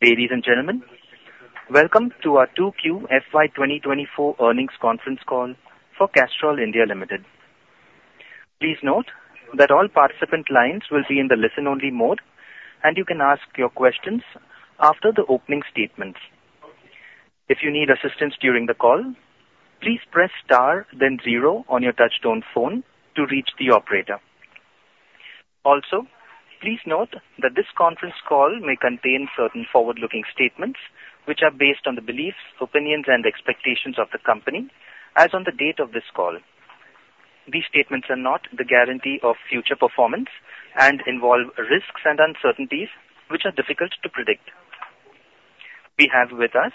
Ladies and gentlemen, welcome to our 2Q FY 2024 earnings conference call for Castrol India Limited. Please note that all participant lines will be in the listen-only mode, and you can ask your questions after the opening statements. If you need assistance during the call, please press star, then zero on your touch-tone phone to reach the operator. Also, please note that this conference call may contain certain forward-looking statements, which are based on the beliefs, opinions, and expectations of the company as on the date of this call. These statements are not the guarantee of future performance and involve risks and uncertainties which are difficult to predict. We have with us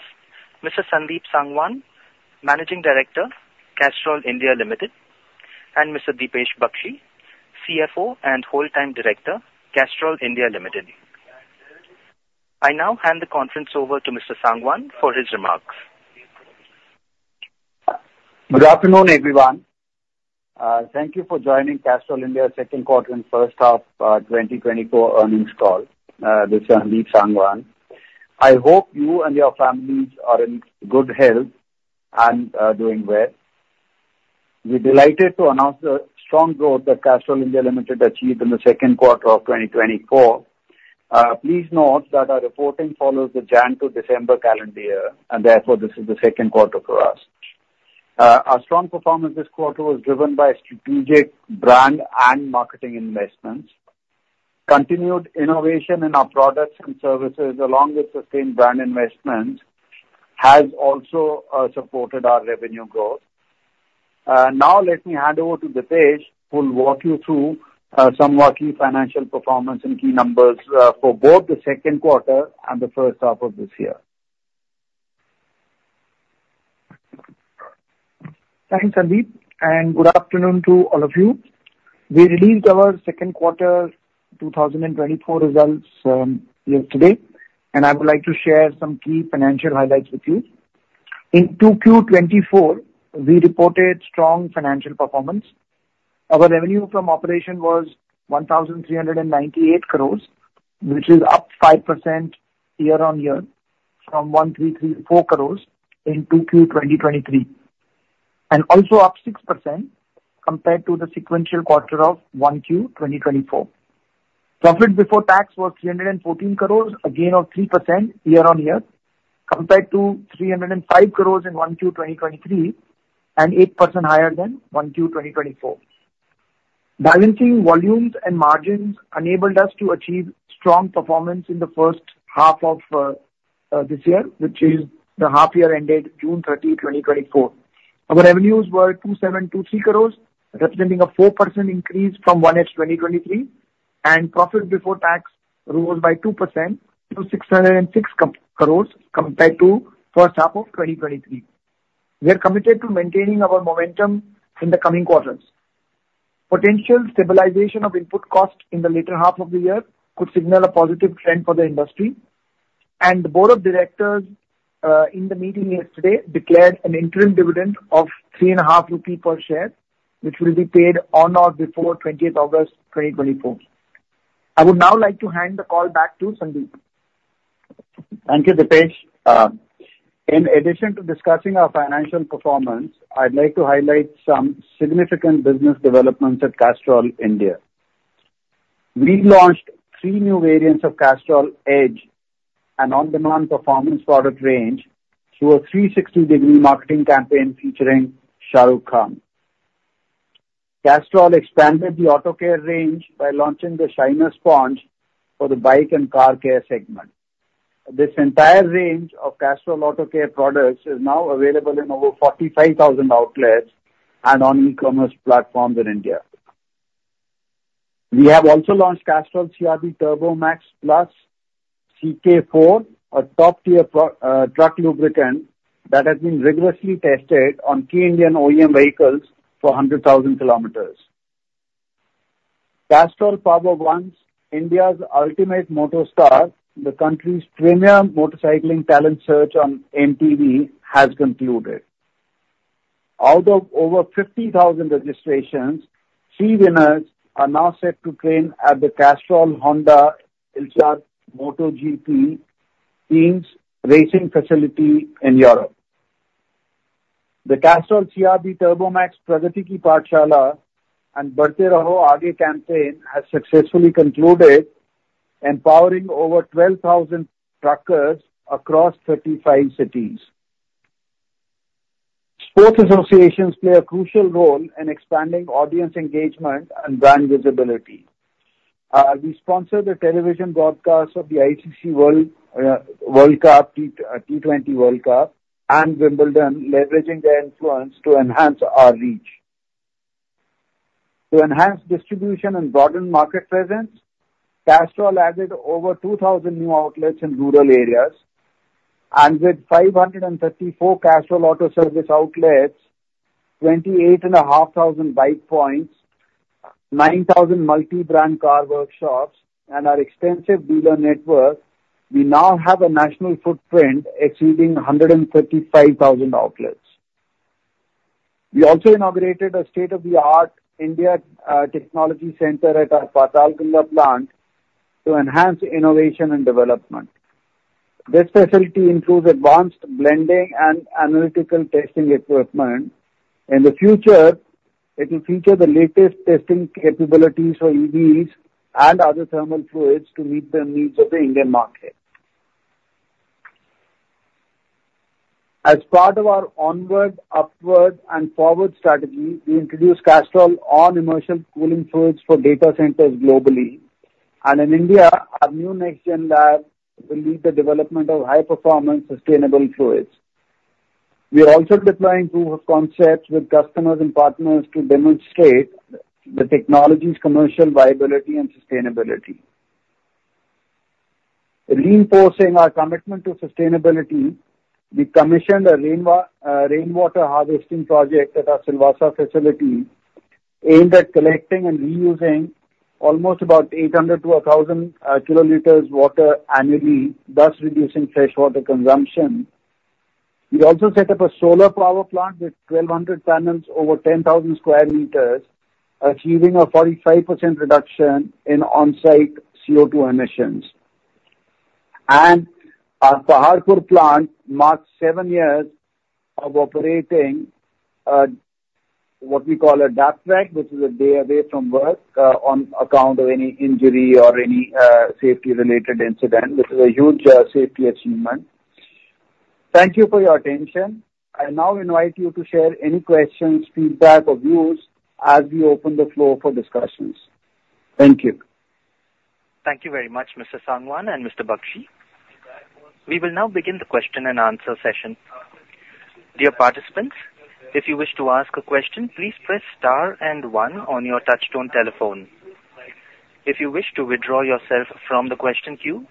Mr. Sandeep Sangwan, Managing Director, Castrol India Limited, and Mr. Deepesh Baxi, CFO and Whole Time Director, Castrol India Limited. I now hand the conference over to Mr. Sangwan for his remarks. Good afternoon, everyone. Thank you for joining Castrol India's second quarter and first half 2024 earnings call. This is Sandeep Sangwan. I hope you and your families are in good health and doing well. We're delighted to announce the strong growth that Castrol India Limited achieved in the second quarter of 2024. Please note that our reporting follows the January to December calendar year, and therefore this is the second quarter for us. Our strong performance this quarter was driven by strategic brand and marketing investments. Continued innovation in our products and services, along with sustained brand investments, has also supported our revenue growth. Now, let me hand over to Deepesh, who will walk you through some of our key financial performance and key numbers for both the second quarter and the first half of this year. Thanks, Sandeep, and good afternoon to all of you. We released our second quarter 2024 results yesterday, and I would like to share some key financial highlights with you. In 2Q24, we reported strong financial performance. Our revenue from operation was 1,398 crores, which is up 5% year-on-year from 1,334 crores in 2Q2023, and also up 6% compared to the sequential quarter of 1Q2024. Profit before tax was 314 crores, again up 3% year-on-year, compared to 305 crores in 1Q 2023 and 8% higher than 1Q 2024. Balancing volumes and margins enabled us to achieve strong performance in the first half of this year, which is the half-year ended June 30, 2024. Our revenues were 2,723 crores, representing a 4% increase from 1H 2023, and profit before tax rose by 2% to 606 crores compared to the first half of 2023. We are committed to maintaining our momentum in the coming quarters. Potential stabilization of input costs in the later half of the year could signal a positive trend for the industry, and the Board of Directors in the meeting yesterday declared an interim dividend of 3.50 rupee per share, which will be paid on or before 20th August 2024. I would now like to hand the call back to Sandeep. Thank you, Deepesh. In addition to discussing our financial performance, I'd like to highlight some significant business developments at Castrol India. We launched three new variants of Castrol EDGE and on-demand performance product range through a 360-degree marketing campaign featuring Shah Rukh Khan. Castrol expanded the auto care range by launching the Shiner Sponge for the bike and car care segment. This entire range of Castrol auto care products is now available in over 45,000 outlets and on e-commerce platforms in India. We have also launched Castrol CRB TURBOMAX+ CK-4, a top-tier truck lubricant that has been rigorously tested on key Indian OEM vehicles for 100,000 km. Castrol POWER1 India's Ultimate Motostar, the country's premier motorcycling talent search on MTV, has concluded. Out of over 50,000 registrations, three winners are now set to train at the LCR Honda Castrol MotoGP Team's racing facility in Europe. The Castrol CRB TURBOMAX Pragati Ki Paathshaala and Badhte Raho Aage campaign has successfully concluded, empowering over 12,000 truckers across 35 cities. Sports associations play a crucial role in expanding audience engagement and brand visibility. We sponsor the television broadcasts of the ICC World Cup, T20 World Cup, and Wimbledon, leveraging their influence to enhance our reach. To enhance distribution and broaden market presence, Castrol added over 2,000 new outlets in rural areas, and with 534 Castrol Auto Service outlets, 28,500 bike points, 9,000 multi-brand car workshops, and our extensive dealer network, we now have a national footprint exceeding 135,000 outlets. We also inaugurated a state-of-the-art India Technology Center at our Patalganga plant to enhance innovation and development. This facility includes advanced blending and analytical testing equipment. In the future, it will feature the latest testing capabilities for EVs and other thermal fluids to meet the needs of the Indian market. As part of our onward, upward, and forward strategy, we introduced Castrol all-immersion cooling fluids for data centers globally, and in India, our new next-gen lab will lead the development of high-performance sustainable fluids. We are also deploying proof of concepts with customers and partners to demonstrate the technology's commercial viability and sustainability. Reinforcing our commitment to sustainability, we commissioned a rainwater harvesting project at our Silvassa facility aimed at collecting and reusing almost about 800-1,000 kL of water annually, thus reducing freshwater consumption. We also set up a solar power plant with 1,200 panels over 10,000 sq m, achieving a 45% reduction in on-site CO2 emissions. Our Paharpur plant marks seven years of operating what we call a DAFW track, which is a day away from work on account of any injury or any safety-related incident, which is a huge safety achievement. Thank you for your attention. I now invite you to share any questions, feedback, or views as we open the floor for discussions. Thank you. Thank you very much, Mr. Sangwan and Mr. Baxi. We will now begin the question-and-answer session. Dear participants, if you wish to ask a question, please press star and one on your touch-tone telephone. If you wish to withdraw yourself from the question queue,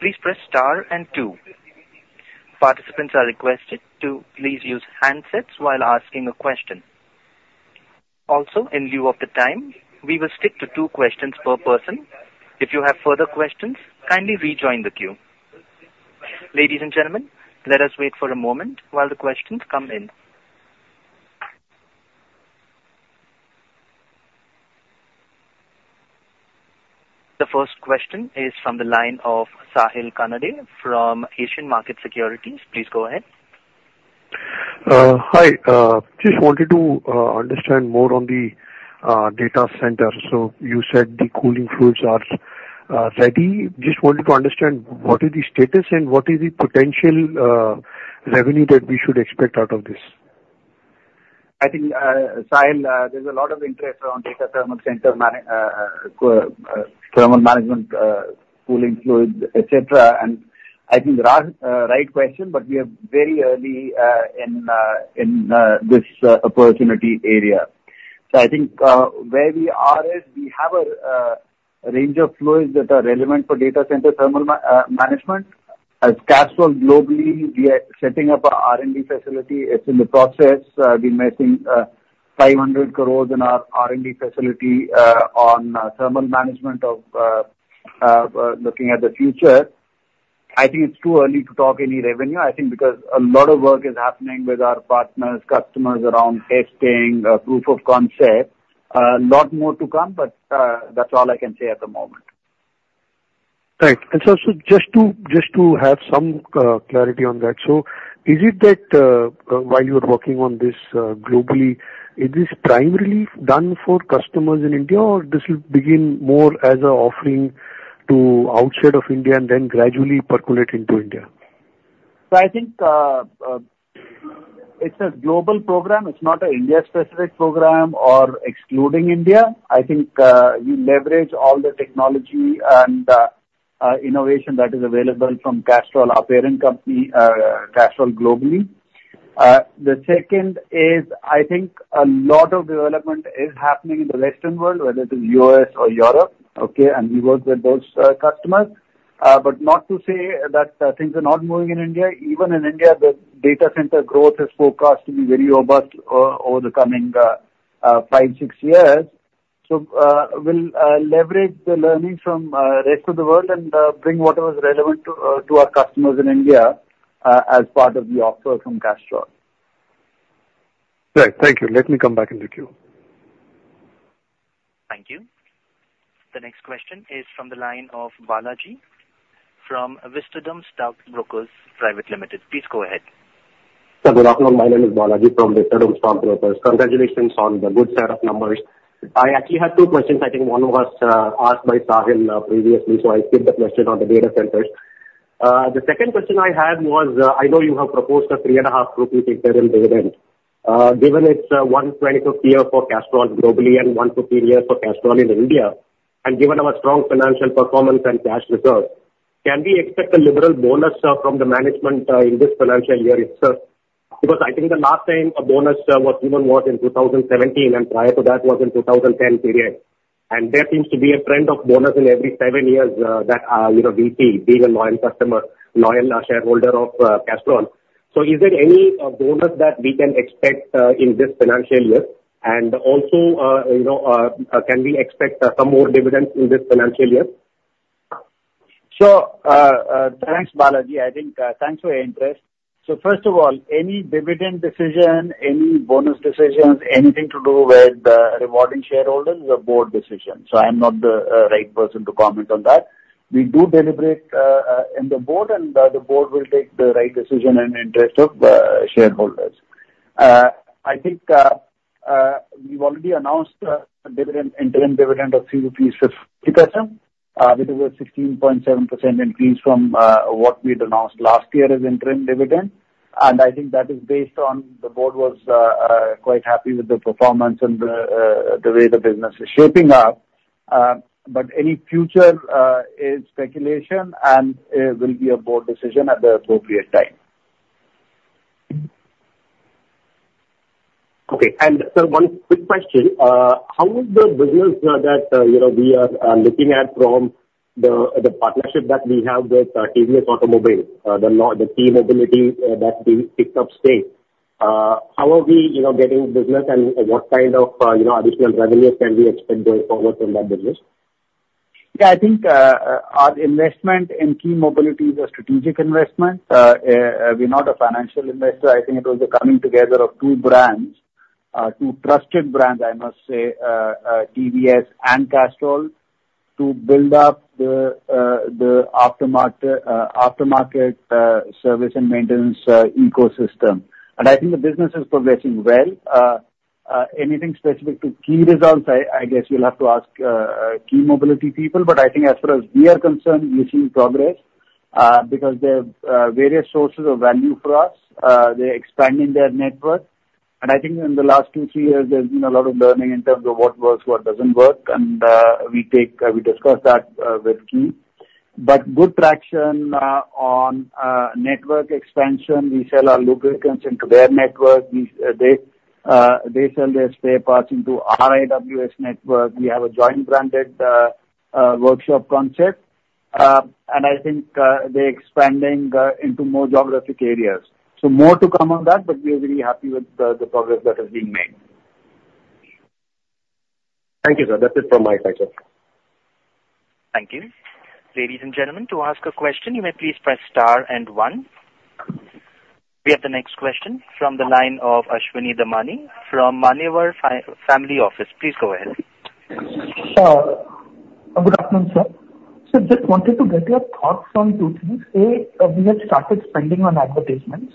please press star and two. Participants are requested to please use handsets while asking a question. Also, in lieu of the time, we will stick to two questions per person. If you have further questions, kindly rejoin the queue. Ladies and gentlemen, let us wait for a moment while the questions come in. The first question is from the line of Sahil Kanade from Asian Markets Securities. Please go ahead. Hi, just wanted to understand more on the data center. You said the cooling fluids are ready. Just wanted to understand what is the status and what is the potential revenue that we should expect out of this? I think, Sahil, there's a lot of interest around data center thermal management, cooling fluids, etc. I think the right question, but we are very early in this opportunity area. So I think where we are is we have a range of fluids that are relevant for data center thermal management. As Castrol globally, we are setting up our R&D facility. It's in the process. We're investing 500 crore in our R&D facility on thermal management, looking at the future. I think it's too early to talk any revenue. I think because a lot of work is happening with our partners, customers around testing, proof of concept. A lot more to come, but that's all I can say at the moment. Thanks. And so just to have some clarity on that, so is it that while you are working on this globally, is this primarily done for customers in India, or this will begin more as an offering to outside of India and then gradually percolate into India? So I think it's a global program. It's not an India-specific program or excluding India. I think we leverage all the technology and innovation that is available from Castrol, our parent company, Castrol globally. The second is I think a lot of development is happening in the Western world, whether it is U.S. or Europe, okay, and we work with those customers. But not to say that things are not moving in India. Even in India, the data center growth is forecast to be very robust over the coming five, six years. So we'll leverage the learnings from the rest of the world and bring whatever is relevant to our customers in India as part of the offer from Castrol. Right. Thank you. Let me come back in the queue. Thank you. The next question is from the line of Balaji from Wisdomsmith Stock Brokers Private Limited. Please go ahead. My name is Balaji from Wisdomsmith Stock Brokers. Congratulations on the good set of numbers. I actually had two questions. I think one was asked by Sahil previously, so I skipped the question on the data centers. The second question I had was, I know you have proposed a 3.5 crore rupee equivalent dividend. Given it's 125th year for Castrol globally and 115 years for Castrol in India, and given our strong financial performance and cash reserve, can we expect a liberal bonus from the management in this financial year itself? Because I think the last time a bonus was given was in 2017, and prior to that was in the 2010 period. And there seems to be a trend of bonus in every seven years that VP, being a loyal customer, loyal shareholder of Castrol. So is there any bonus that we can expect in this financial year? And also, can we expect some more dividends in this financial year? So thanks, Balaji. I think thanks for your interest. So first of all, any dividend decision, any bonus decisions, anything to do with rewarding shareholders is a board decision. So I'm not the right person to comment on that. We do deliberate in the board, and the board will make the right decision in interest of shareholders. I think we've already announced the interim dividend of 3.50 rupees, which is a 16.7% increase from what we had announced last year as interim dividend. And I think that is based on the board was quite happy with the performance and the way the business is shaping up. But any future is speculation, and it will be a board decision at the appropriate time. Okay. And so one quick question. How is the business that we are looking at from the partnership that we have with TVS Automobile, the ki Mobility that we picked up stake? How are we getting business, and what kind of additional revenue can we expect going forward from that business? Yeah, I think our investment in ki Mobility is a strategic investment. We're not a financial investor. I think it was the coming together of two brands, two trusted brands, I must say, TVS and Castrol, to build up the aftermarket service and maintenance ecosystem. And I think the business is progressing well. Anything specific to ki results, I guess you'll have to ask ki Mobility people. But I think as far as we are concerned, we've seen progress because they have various sources of value for us. They're expanding their network. I think in the last 2-3 years, there's been a lot of learning in terms of what works, what doesn't work. And we discuss that with ki. But good traction on network expansion. We sell our lubricants into their network. They sell their spare parts into our AWS network. We have a joint-branded workshop concept. And I think they're expanding into more geographic areas. So more to come on that, but we are really happy with the progress that is being made. Thank you, sir. That's it from my side, sir. Thank you. Ladies and gentlemen, to ask a question, you may please press star and one. We have the next question from the line of Ashwini Damani from Manyavar Family Office. Please go ahead. Good afternoon, sir. So just wanted to get your thoughts on two things. A, we have started spending on advertisements.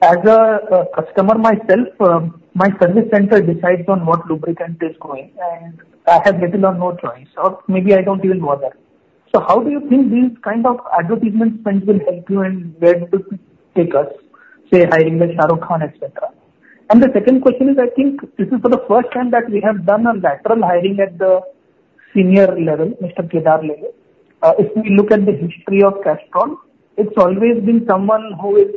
As a customer myself, my service center decides on what lubricant is going, and I have little or no choice. Or maybe I don't even bother it. So how do you think these kinds of advertisement spends will help you and where will it take us, say, hiring Shah Rukh Khan, etc.? And the second question is, I think this is for the first time that we have done a lateral hiring at the senior level, Mr. Kedar Lele. If we look at the history of Castrol, it's always been someone who is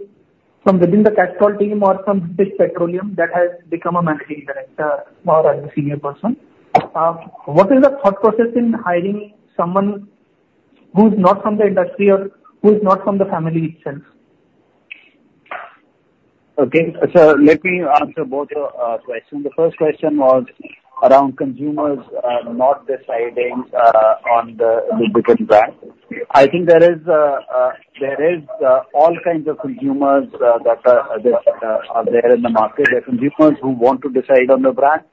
from within the Castrol team or from British Petroleum that has become a managing director or a senior person. What is the thought process in hiring someone who's not from the industry or who's not from the family itself? Okay. So let me answer both your questions. The first question was around consumers not deciding on the lubricant brand. I think there are all kinds of consumers that are there in the market. There are consumers who want to decide on the brand,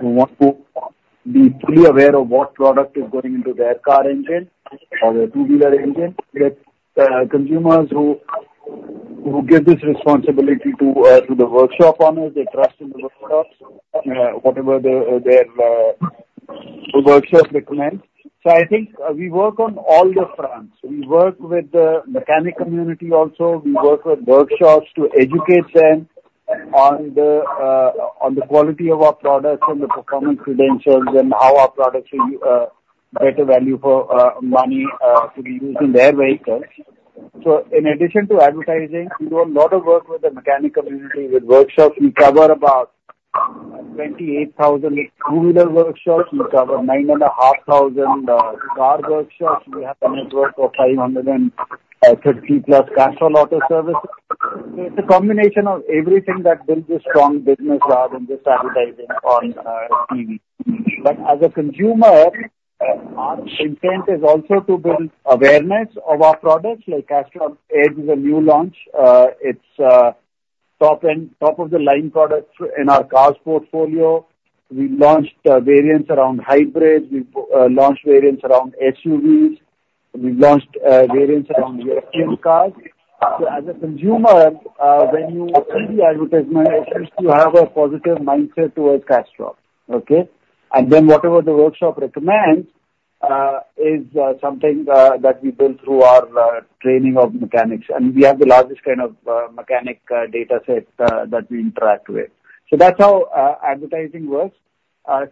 who want to be fully aware of what product is going into their car engine or their two-wheeler engine. There are consumers who give this responsibility to the workshop owners. They trust in the workshops, whatever their workshop recommends. So I think we work on all the fronts. We work with the mechanic community also. We work with workshops to educate them on the quality of our products and the performance credentials and how our products are better value for money to be used in their vehicles. So in addition to advertising, we do a lot of work with the mechanic community, with workshops. We cover about 28,000 two-wheeler workshops. We cover 9,500 car workshops. We have a network of 530+ Castrol Auto Services. So it's a combination of everything that builds a strong business rather than just advertising on TV. But as a consumer, our intent is also to build awareness of our products. Like Castrol EDGE is a new launch. It's top-of-the-line products in our cars portfolio. We launched variants around hybrids. We launched variants around SUVs. We launched variants around European cars. So as a consumer, when you see the advertisement, it means you have a positive mindset towards Castrol, okay? And then whatever the workshop recommends is something that we build through our training of mechanics. And we have the largest kind of mechanic data set that we interact with. So that's how advertising works.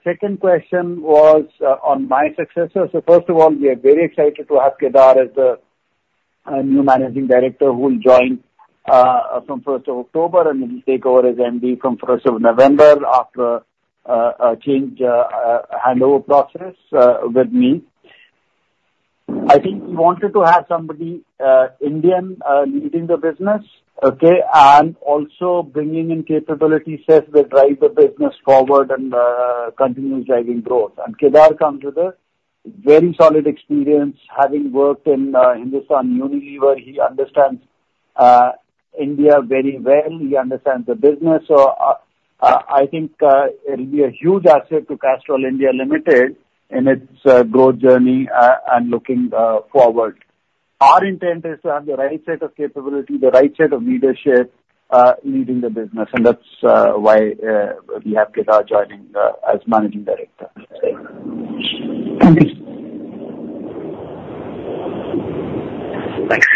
Second question was on my successor. So first of all, we are very excited to have Kedar as the new managing director who will join from 1st of October, and he'll take over as MD from 1st of November after a change handover process with me. I think we wanted to have somebody Indian leading the business, okay, and also bringing in capabilities that will drive the business forward and continue driving growth. Kedar comes with a very solid experience. Having worked in Hindustan Unilever, he understands India very well. He understands the business. So I think it'll be a huge asset to Castrol India Limited in its growth journey and looking forward. Our intent is to have the right set of capability, the right set of leadership leading the business. That's why we have Kedar joining as managing director. Thank you. Thanks.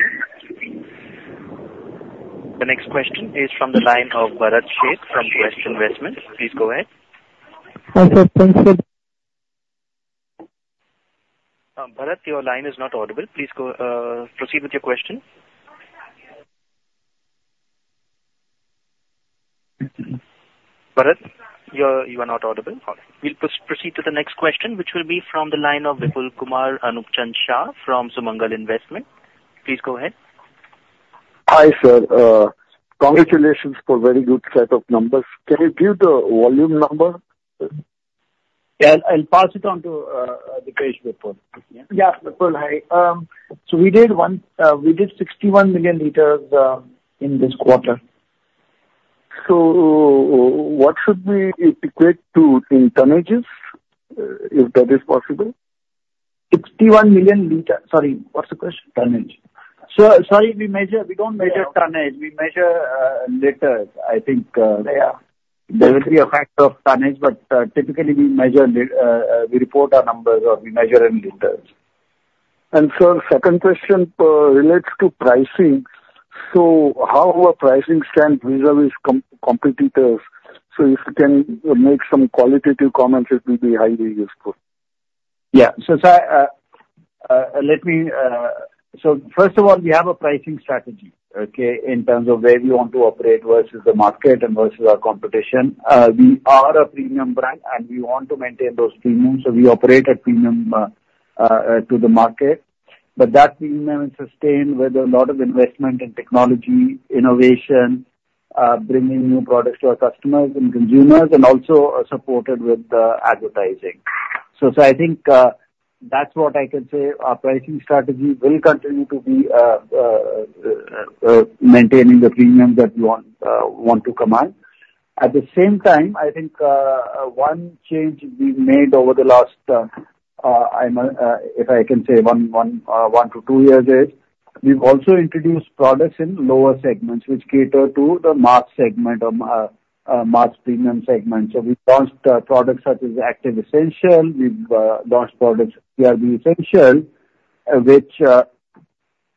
The next question is from the line of Bharat Sheth from Quest Investment Advisors. Please go ahead. Thanks, sir. Thanks, sir. Bharat, your line is not audible. Please proceed with your question. Bharat, you are not audible. We'll proceed to the next question, which will be from the line of Vipulkumar Shah from Sumangal Investment. Please go ahead. Hi, sir. Congratulations for a very good set of numbers. Can you give the volume number? Yeah. And pass it on to Deepesh. Yeah. Vipul, hi. So we did 61 million L in this quarter. What should we equate to in tonnages if that is possible? 61 million L. Sorry. What's the question? Tonnage. Sorry, we don't measure tonnage. We measure liters, I think. There will be a factor of tonnage, but typically, we report our numbers or we measure in liters. Sirs, second question relates to pricing. So how are pricing stands vis-à-vis competitors? So if you can make some qualitative comments, it will be highly useful. Yeah. So let me first of all, we have a pricing strategy, okay, in terms of where we want to operate versus the market and versus our competition. We are a premium brand, and we want to maintain those premiums. So we operate at premium to the market. But that premium is sustained with a lot of investment in technology, innovation, bringing new products to our customers and consumers, and also supported with advertising. So I think that's what I can say. Our pricing strategy will continue to be maintaining the premium that we want to command. At the same time, I think one change we've made over the last, if I can say, 1 to 2 years is we've also introduced products in lower segments, which cater to the mass segment or mass premium segment. So we launched products such as Activ ESSENTIAL. We've launched products with CRB ESSENTIAL, which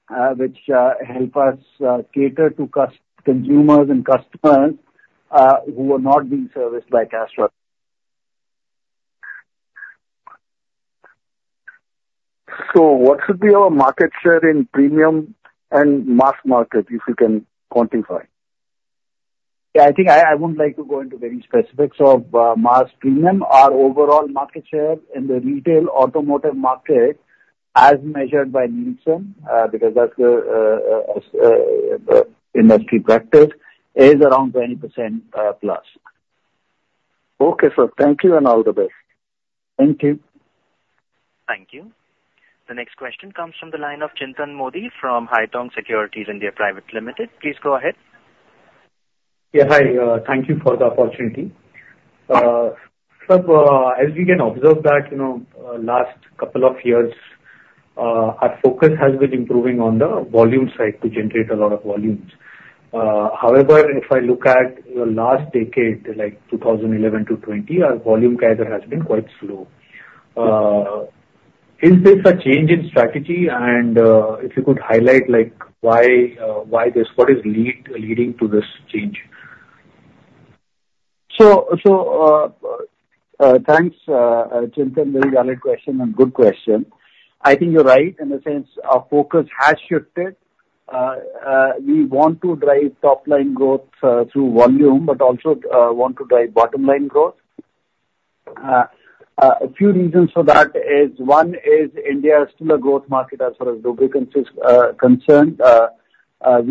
help us cater to consumers and customers who are not being serviced by Castrol. What should be our market share in premium and mass market, if you can quantify? Yeah. I think I wouldn't like to go into very specifics of mass premium. Our overall market share in the retail automotive market, as measured by Nielsen, because that's the industry practice, is around 20%+. Okay, sir. Thank you, and all the best. Thank you. Thank you. The next question comes from the line of Chintan Modi from Haitong Securities India Private Limited. Please go ahead. Yeah. Hi. Thank you for the opportunity. Sir, as we can observe that last couple of years, our focus has been improving on the volume side to generate a lot of volumes. However, if I look at the last decade, like 2011 to 2020, our volume CAGR has been quite slow. Is this a change in strategy? And if you could highlight what is leading to this change? So thanks, Chintan. Very valid question and good question. I think you're right in the sense our focus has shifted. We want to drive top-line growth through volume, but also want to drive bottom-line growth. A few reasons for that is one is India is still a growth market as far as lubricants is concerned. The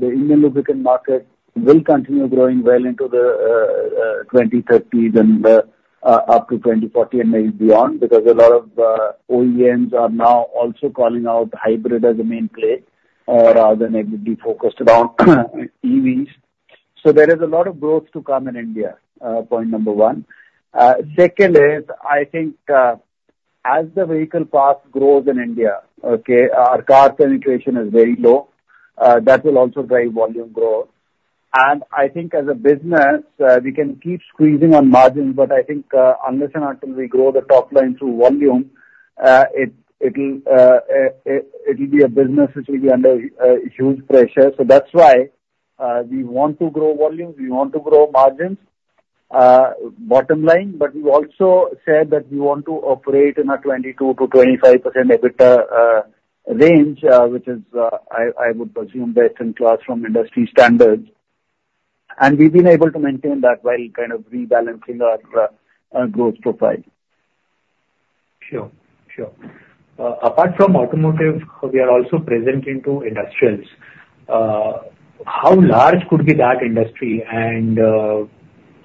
Indian lubricant market will continue growing well into the 2030s and up to 2040 and maybe beyond because a lot of OEMs are now also calling out hybrid as a main play rather than focused on EVs. So there is a lot of growth to come in India, point number one. Second is, I think as the vehicle path grows in India, okay, our car penetration is very low. That will also drive volume growth. I think as a business, we can keep squeezing on margins, but I think unless and until we grow the top line through volume, it'll be a business which will be under huge pressure. So that's why we want to grow volumes. We want to grow margins, bottom line. But we also said that we want to operate in a 22%-25% EBITDA range, which is, I would presume, best in class from industry standards. We've been able to maintain that while kind of rebalancing our growth profile. Sure. Sure. Apart from automotive, we are also presenting to industrials. How large could be that industry?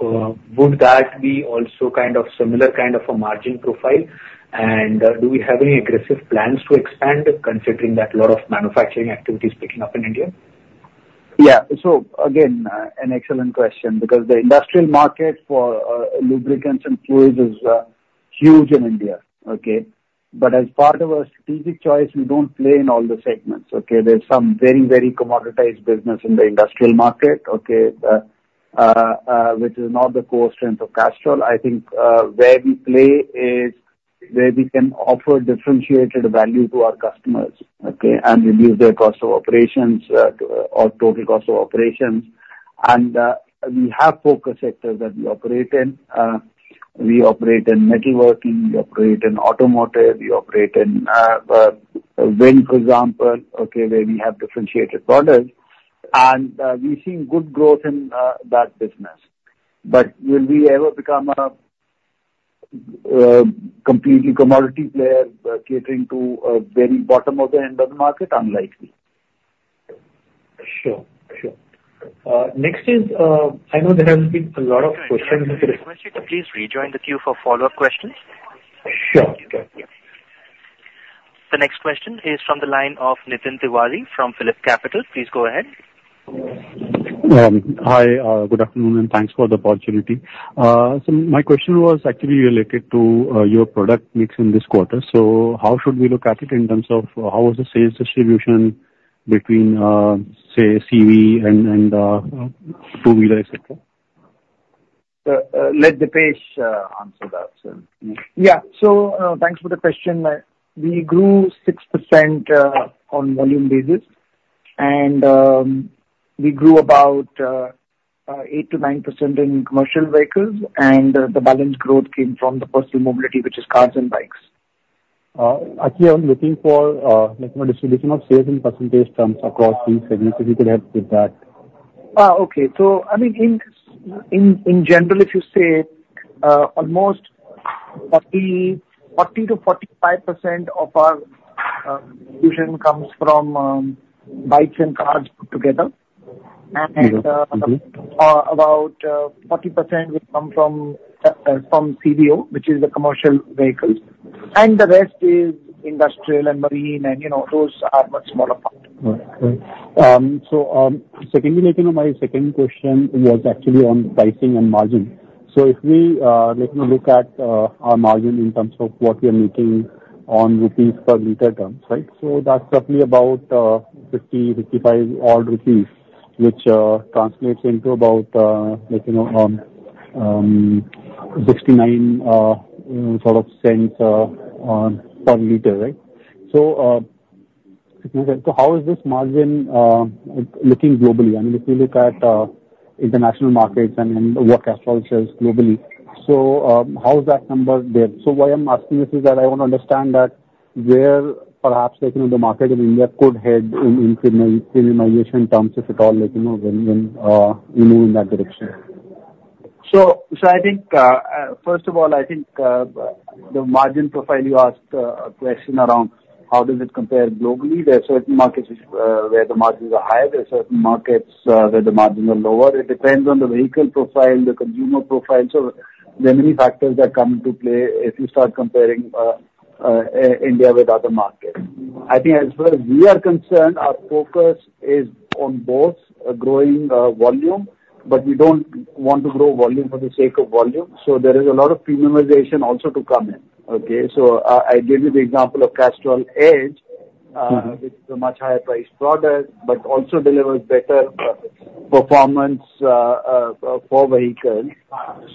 Would that be also kind of similar kind of a margin profile? Do we have any aggressive plans to expand considering that a lot of manufacturing activity is picking up in India? Yeah. So again, an excellent question because the industrial market for lubricants and fluids is huge in India, okay? But as part of our strategic choice, we don't play in all the segments, okay? There's some very, very commoditized business in the industrial market, okay, which is not the core strength of Castrol. I think where we play is where we can offer differentiated value to our customers, okay, and reduce their cost of operations or total cost of operations. And we have focus sectors that we operate in. We operate in metalworking. We operate in automotive. We operate in wind, for example, okay, where we have differentiated products. And we've seen good growth in that business. But will we ever become a completely commodity player catering to the very bottom of the end of the market? Unlikely. Sure. Sure. Next is, I know there have been a lot of questions. Please rejoin the queue for follow-up questions. Sure. The next question is from the line of Nitin Tiwari from PhillipCapital. Please go ahead. Hi. Good afternoon, and thanks for the opportunity. So my question was actually related to your product mix in this quarter. So how should we look at it in terms of how was the sales distribution between, say, CV and two-wheeler, etc.? Let Deepesh answer that. Yeah. So thanks for the question. We grew 6% on volume basis, and we grew about 8%-9% in commercial vehicles. And the balance growth came from the personal mobility, which is cars and bikes. Actually, I was looking for a distribution of sales in percentage terms across these segments. If you could help with that. Oh, okay. So I mean, in general, if you say almost 40%-45% of our distribution comes from bikes and cars put together. And about 40% will come from CVO, which is the commercial vehicles. And the rest is industrial and marine, and those are much smaller parts. Right. Right. So my second question was actually on pricing and margin. So if we look at our margin in terms of what we are making on rupees per liter terms, right? So that's roughly about 50-55 rupees, which translates into about $0.69 sort of per liter, right? So how is this margin looking globally? I mean, if you look at international markets and what Castrol sells globally, so how is that number there? So why I'm asking this is that I want to understand where perhaps the market in India could head in premiumization terms, if at all, when we move in that direction. So I think, first of all, I think the margin profile you asked a question around how does it compare globally. There are certain markets where the margins are higher. There are certain markets where the margins are lower. It depends on the vehicle profile, the consumer profile. So there are many factors that come into play if you start comparing India with other markets. I think as far as we are concerned, our focus is on both growing volume, but we don't want to grow volume for the sake of volume. So there is a lot of premiumization also to come in, okay? So I gave you the example of Castrol EDGE, which is a much higher-priced product, but also delivers better performance for vehicles.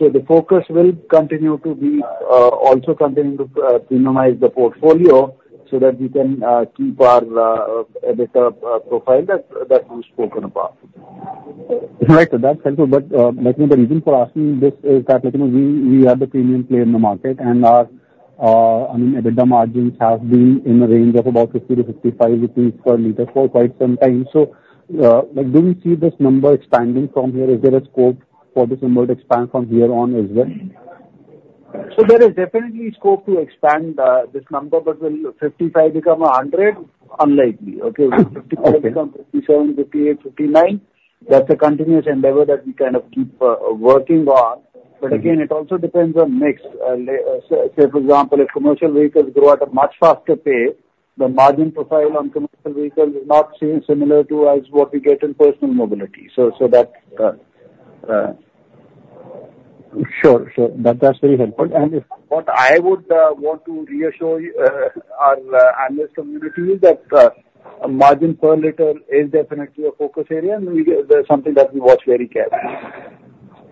The focus will continue to be also to continue to premiumize the portfolio so that we can keep our EBITDA profile that we've spoken about. All right. So that's helpful. But the reason for asking this is that we are the premium player in the market, and our EBITDA margins have been in the range of about 50-55 rupees per liter for quite some time. So do we see this number expanding from here? Is there a scope for this number to expand from here on as well? So there is definitely scope to expand this number, but will 55 become 100? Unlikely, okay? 55 become 57, 58, 59. That's a continuous endeavor that we kind of keep working on. But again, it also depends on mix. Say, for example, if commercial vehicles grow at a much faster pace, the margin profile on commercial vehicles is not similar to what we get in personal mobility. So that. Sure. Sure. That's very helpful. And if. What I would want to reassure our analyst community is that margin per liter is definitely a focus area, and there's something that we watch very carefully.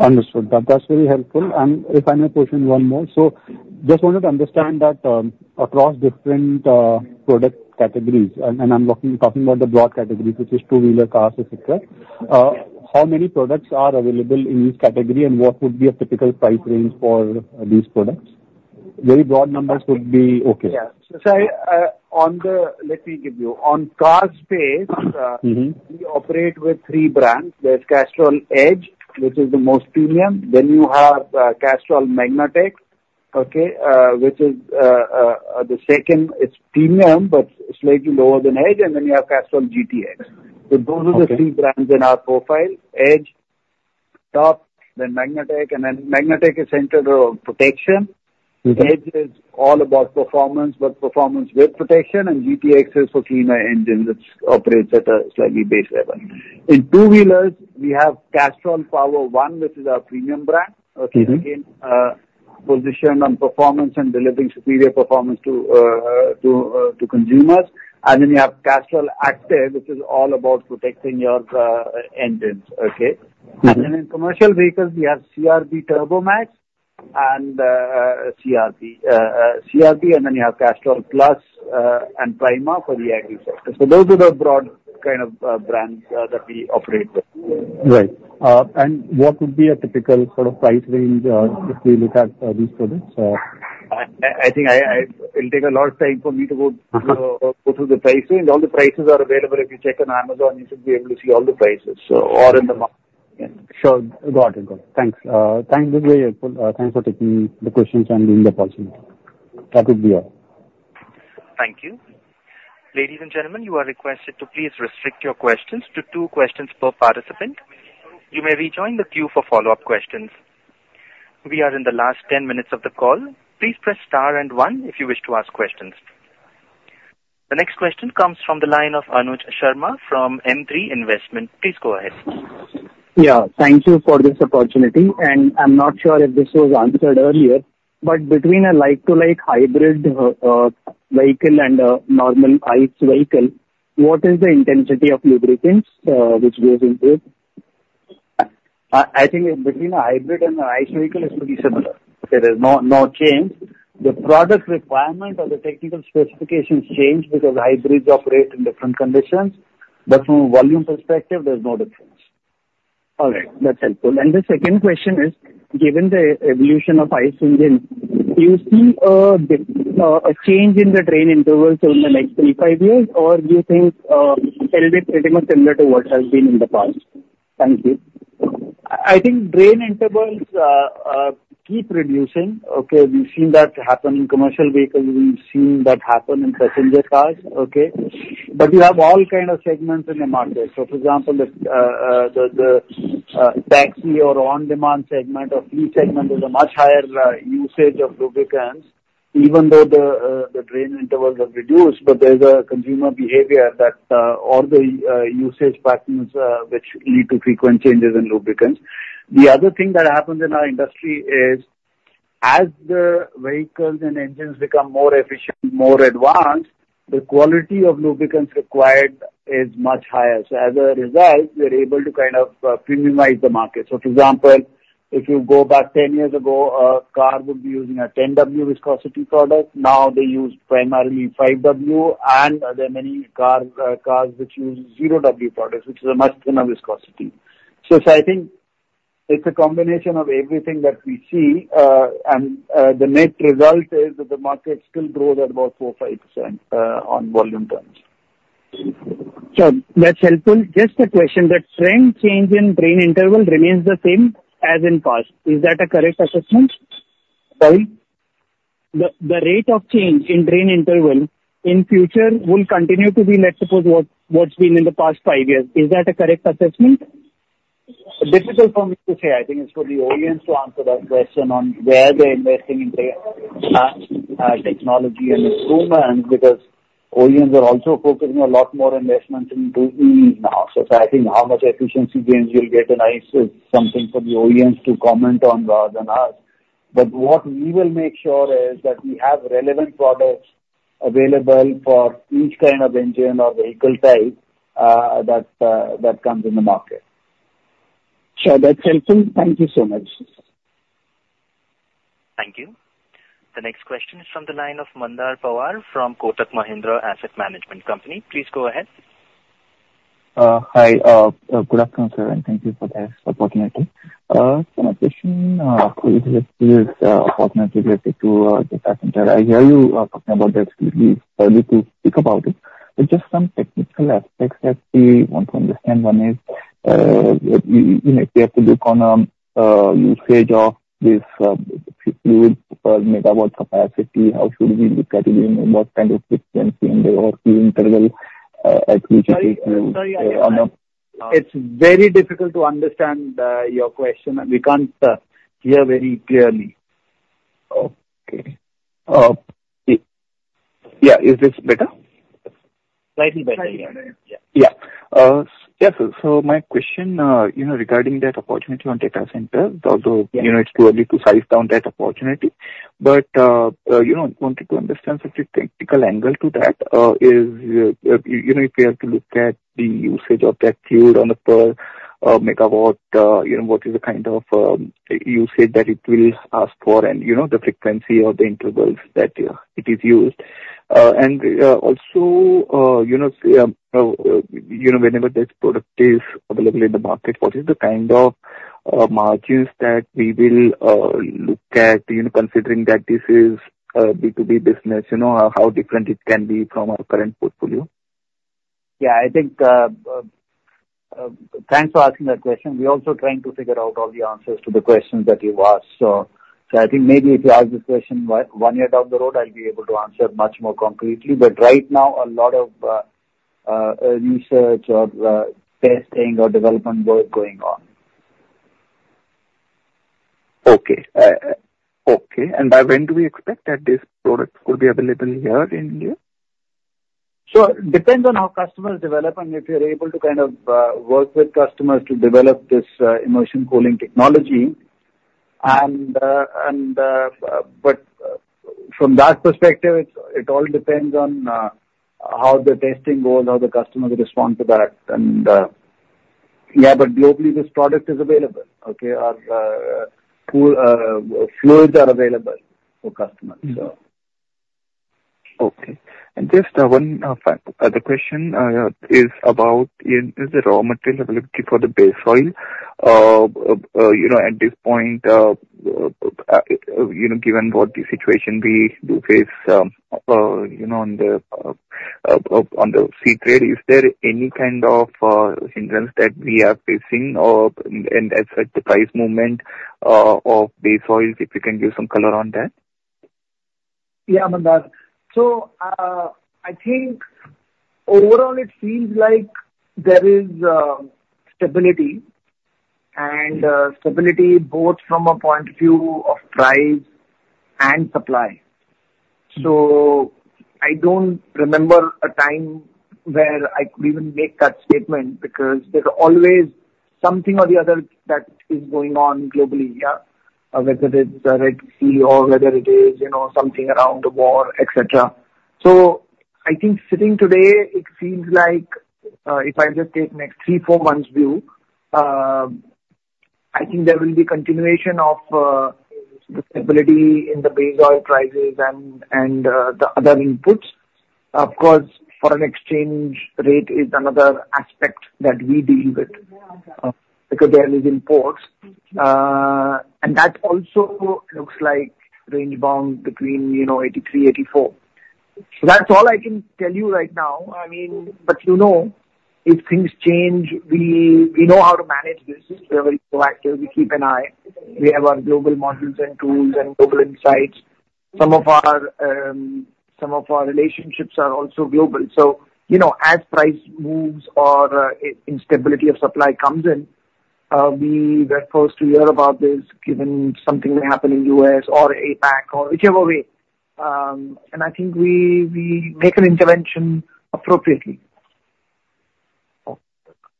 Understood. That's very helpful. If I may question one more. Just wanted to understand that across different product categories, and I'm talking about the broad categories, which is two-wheeler cars, etc., how many products are available in each category, and what would be a typical price range for these products? Very broad numbers would be okay. Yeah. So let me give you. On car space, we operate with three brands. There's Castrol EDGE, which is the most premium. Then you have Castrol MAGNATEC, okay, which is the second. It's premium, but slightly lower than EDGE. And then you have Castrol GTX. So those are the three brands in our profile: EDGE, top, then MAGNATEC, and then MAGNATEC is centered around protection. EDGE is all about performance, but performance with protection, and GTX is for cleaner engines that operate at a slightly base level. In two-wheelers, we have Castrol POWER1, which is our premium brand, okay, again, positioned on performance and delivering superior performance to consumers. And then you have Castrol ACTIV, which is all about protecting your engines, okay? And then in commercial vehicles, we have CRB TURBOMAX and CRB. CRB, and then you have Castrol CRB PLUS and CRB PRIMA for the agri sector. Those are the broad kind of brands that we operate with. Right. And what would be a typical sort of price range if we look at these products? I think it'll take a lot of time for me to go through the price range. All the prices are available. If you check on Amazon, you should be able to see all the prices or in the market. Sure. Got it. Got it. Thanks. Thanks. This was very helpful. Thanks for taking the questions and giving the opportunity. That would be all. Thank you. Ladies and gentlemen, you are requested to please restrict your questions to two questions per participant. You may rejoin the queue for follow-up questions. We are in the last 10 minutes of the call. Please press star and one if you wish to ask questions. The next question comes from the line of Anuj Sharma from M3 Investment. Please go ahead. Yeah. Thank you for this opportunity. I'm not sure if this was answered earlier, but between a like-to-like hybrid vehicle and a normal ICE vehicle, what is the intensity of lubricants which goes into it? I think between a hybrid and an ICE vehicle, it's pretty similar. There is no change. The product requirement or the technical specifications change because hybrids operate in different conditions. But from a volume perspective, there's no difference. All right. That's helpful. And the second question is, given the evolution of ICE engines, do you see a change in the drain intervals in the next 3-5 years, or do you think it'll be pretty much similar to what has been in the past? Thank you. I think drain intervals keep reducing. Okay. We've seen that happen in commercial vehicles. We've seen that happen in passenger cars, okay? But you have all kinds of segments in the market. So for example, the taxi or on-demand segment or fleet segment is a much higher usage of lubricants, even though the drain intervals have reduced. But there's a consumer behavior that all the usage patterns which lead to frequent changes in lubricants. The other thing that happens in our industry is as the vehicles and engines become more efficient, more advanced, the quality of lubricants required is much higher. So as a result, we're able to kind of premiumize the market. So for example, if you go back 10 years ago, a car would be using a 10W viscosity product. Now they use primarily 5W, and there are many cars which use 0W products, which is a much thinner viscosity. So I think it's a combination of everything that we see, and the net result is that the market still grows at about 4%-5% on volume terms. That's helpful. Just a question. The trend change in drain interval remains the same as in past. Is that a correct assessment? Sorry? The rate of change in drain interval in future will continue to be, let's suppose, what's been in the past five years. Is that a correct assessment? Difficult for me to say. I think it's for the audience to answer that question on where they're investing in technology and improvements because audiences are also focusing a lot more investment into EVs now. So I think how much efficiency gains you'll get in ICE is something for the audience to comment on rather than us. But what we will make sure is that we have relevant products available for each kind of engine or vehicle type that comes in the market. Sure. That's helpful. Thank you so much. Thank you. The next question is from the line of Mandar Pawar from Kotak Mahindra Asset Management Company. Please go ahead. Hi. Good afternoon, sir. Thank you for talking to me. My question is, this is, of course, not related to the facts in there. I hear you talking about the expertise to speak about it, but just some technical aspects that we want to understand. One is if we have to look on usage of this full megawatt capacity, how should we look at it, and what kind of frequency in the EV interval at which it will? Sorry. It's very difficult to understand your question, and we can't hear very clearly. Okay. Yeah. Is this better? Slightly better. Yeah. So my question regarding that opportunity on data centers, although it's too early to size down that opportunity, but I wanted to understand such a technical angle to that is if we have to look at the usage of that fluid on a per megawatt, what is the kind of usage that it will ask for, and the frequency of the intervals that it is used. And also, whenever that product is available in the market, what is the kind of margins that we will look at, considering that this is a B2B business, how different it can be from our current portfolio? Yeah. I think, thanks for asking that question. We're also trying to figure out all the answers to the questions that you've asked. So I think maybe if you ask this question one year down the road, I'll be able to answer much more concretely. But right now, a lot of research or testing or development work going on. Okay. Okay. By when do we expect that this product will be available here in India? So it depends on how customers develop and if you're able to kind of work with customers to develop this immersion cooling technology. But from that perspective, it all depends on how the testing goes, how the customers respond to that. Yeah, but globally, this product is available, okay? Our fluids are available for customers, so. Okay. And just one other question is about, is there raw material availability for the base oil? At this point, given what the situation we do face on the sea trade, is there any kind of hindrance that we are facing in the price movement of base oils, if you can give some color on that? Yeah, Mandar. So I think overall, it seems like there is stability and stability both from a point of view of price and supply. So I don't remember a time where I could even make that statement because there's always something or the other that is going on globally, yeah, whether it's Red Sea or whether it is something around the war, etc. So I think sitting today, it seems like if I just take next 3-4 months' view, I think there will be continuation of the stability in the base oil prices and the other inputs. Of course, foreign exchange rate is another aspect that we deal with because there are these imports. And that also looks like range bound between 83-84. So that's all I can tell you right now. I mean, but you know, if things change, we know how to manage this. We're very proactive. We keep an eye. We have our global models and tools and global insights. Some of our relationships are also global. So as price moves or instability of supply comes in, we get forced to hear about this given something that happened in the U.S. or APAC or whichever way. And I think we make an intervention appropriately. All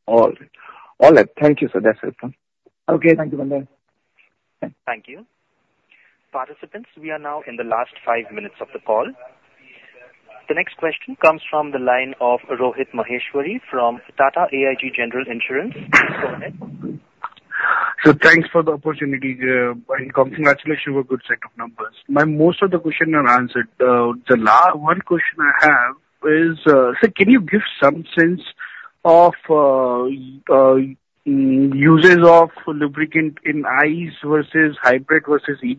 right. All right. Thank you, sir. That's helpful. Okay. Thank you, Mandar. Thank you. Participants, we are now in the last five minutes of the call. The next question comes from the line of Rohit Maheshwari from Tata AIG General Insurance. Go ahead. Thanks for the opportunity. Congratulations for a good set of numbers. Most of the questions are answered. The last one question I have is, can you give some sense of uses of lubricant in ICE versus hybrid versus EV?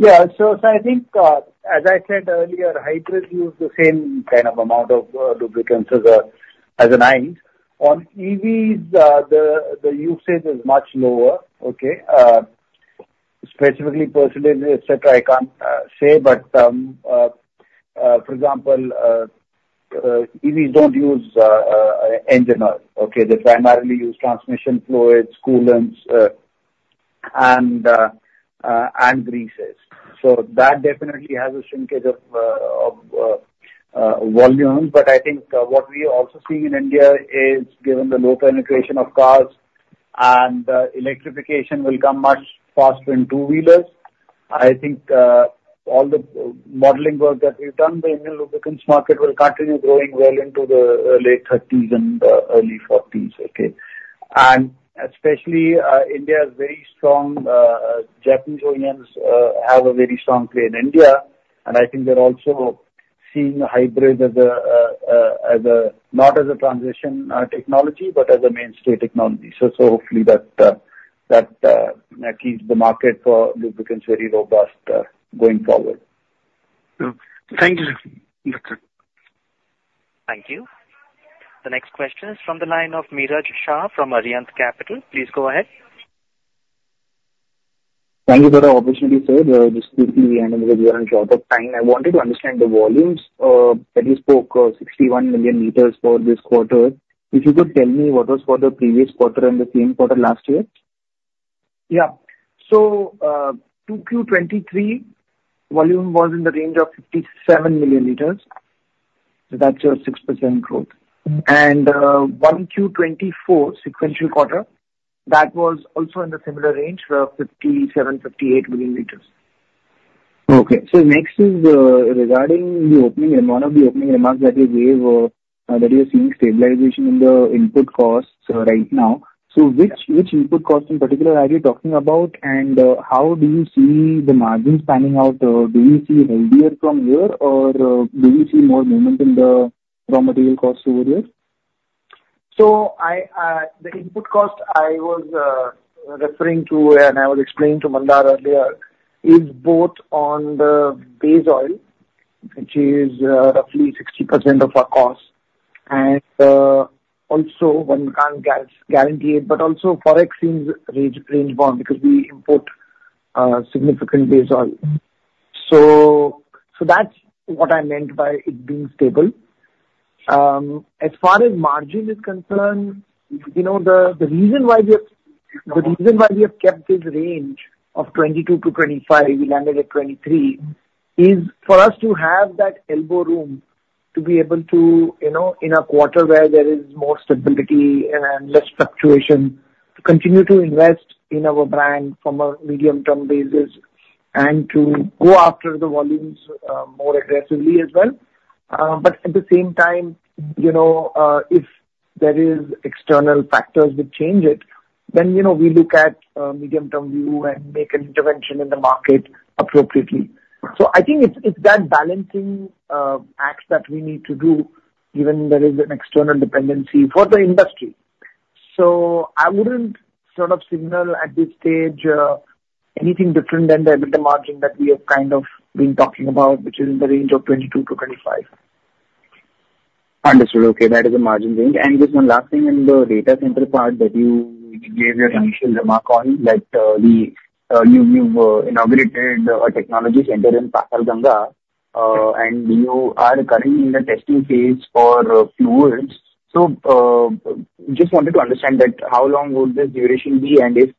Yeah. So I think, as I said earlier, hybrids use the same kind of amount of lubricants as an ICE. On EVs, the usage is much lower, okay? Specifically, percentage, etc., I can't say. But for example, EVs don't use engine oil, okay? They primarily use transmission fluids, coolants, and greases. So that definitely has a shrinkage of volume. But I think what we are also seeing in India is, given the low penetration of cars and electrification will come much faster in two-wheelers, I think all the modeling work that we've done, the Indian lubricants market will continue growing well into the late 2030s and early 2040s, okay? And especially India has very strong Japanese OEMs have a very strong play in India. And I think they're also seeing hybrid as a not as a transition technology, but as a mainstay technology. Hopefully that keeps the market for lubricants very robust going forward. Thank you. Thank you. The next question is from the line of Miraj Shah from Arihant Capital. Please go ahead. Thank you for the opportunity, sir. Just quickly, and within a short time, I wanted to understand the volumes. That you spoke 61 million L for this quarter. If you could tell me what was for the previous quarter and the same quarter last year? Yeah. So 2Q 2023 volume was in the range of 57 million L. That's a 6% growth. And 1Q24, sequential quarter, that was also in the similar range for 57-58 million L. Okay. So next is regarding the opening remarks, one of the opening remarks that you gave that you're seeing stabilization in the input costs right now. So which input cost in particular are you talking about? And how do you see the margins panning out? Do you see healthier from here, or do you see more movement in the raw material costs over here? So the input cost I was referring to, and I was explaining to Mandar earlier, is both on the base oil, which is roughly 60% of our cost. And also, one can't guarantee it, but also Forex seems range bound because we import significant base oil. So that's what I meant by it being stable. As far as margin is concerned, the reason why we have kept this range of 22-25, we landed at 23, is for us to have that elbow room to be able to, in a quarter where there is more stability and less fluctuation, continue to invest in our brand from a medium-term basis and to go after the volumes more aggressively as well. But at the same time, if there are external factors that change it, then we look at a medium-term view and make an intervention in the market appropriately. So I think it's that balancing act that we need to do, given there is an external dependency for the industry. So I wouldn't sort of signal at this stage anything different than the margin that we have kind of been talking about, which is in the range of 22%-25%. Understood. Okay. That is a margin change. And just one last thing in the data center part that you gave your initial remark on, that you've inaugurated a technology center in Patalganga, and you are currently in the testing phase for fluids. So just wanted to understand that how long would this duration be, and if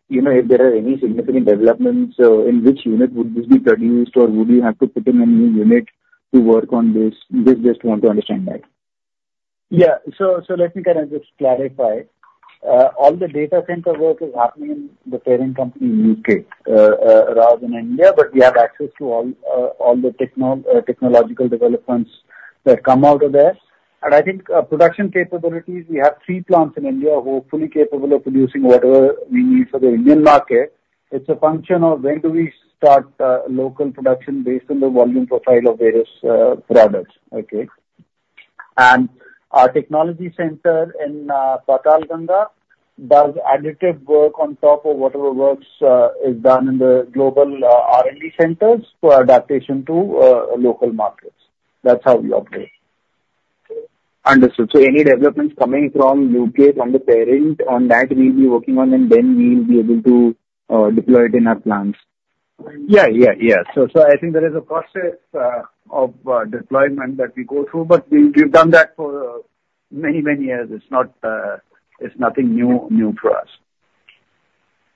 there are any significant developments, in which unit would this be produced, or would you have to put in a new unit to work on this? Just want to understand that. Yeah. Let me kind of just clarify. All the data center work is happening in the parent company in the U.K. rather than India, but we have access to all the technological developments that come out of there. I think production capabilities, we have three plants in India hopefully capable of producing whatever we need for the Indian market. It's a function of when do we start local production based on the volume profile of various products, okay? Our technology center in Patalganga does additive work on top of whatever work is done in the global R&D centers for adaptation to local markets. That's how we operate. Understood. So any developments coming from U.K., from the parent, on that, we'll be working on, and then we'll be able to deploy it in our plants? Yeah, yeah, yeah. So I think there is a process of deployment that we go through, but we've done that for many, many years. It's nothing new for us.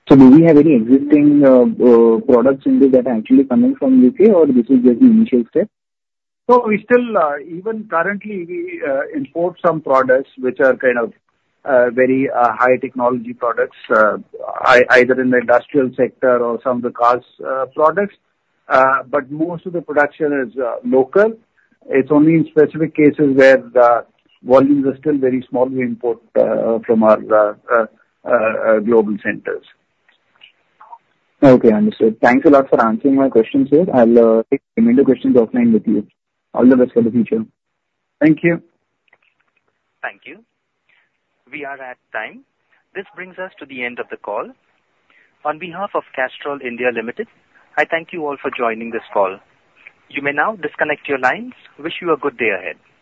Do we have any existing products in there that are actually coming from U.K., or this is just the initial step? So we still, even currently, import some products which are kind of very high technology products, either in the industrial sector or some of the car products. But most of the production is local. It's only in specific cases where the volumes are still very small. We import from our global centers. Okay. Understood. Thanks a lot for answering my questions here. I'll remain in the questions offline with you. All the best for the future. Thank you. Thank you. We are at time. This brings us to the end of the call. On behalf of Castrol India Limited, I thank you all for joining this call. You may now disconnect your lines. Wish you a good day ahead. Thank you.